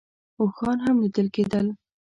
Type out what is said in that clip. اوښان هم لیدل کېدل.